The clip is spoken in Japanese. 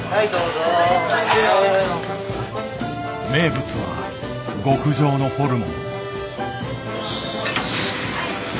名物は極上のホルモン。